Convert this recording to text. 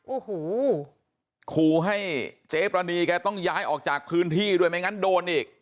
โอ้โหขู่ให้เจ๊ปรณีแกต้องย้ายออกจากพื้นที่ด้วยไม่งั้นโดนอีก